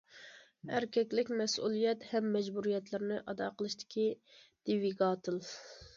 ئەركەكلىك مەسئۇلىيەت ھەم مەجبۇرىيەتلىرىنى ئادا قىلىشتىكى دىۋىگاتېل.